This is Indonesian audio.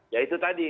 ya itu tadi